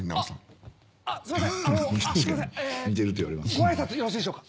ご挨拶よろしいでしょうか？